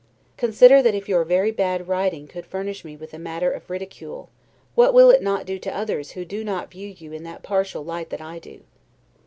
Consider, that if your very bad writing could furnish me with matter of ridicule, what will it not do to others who do not view you in that partial light that I do?